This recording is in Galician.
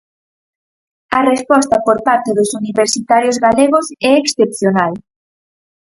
A resposta por parte dos universitarios galegos é excepcional.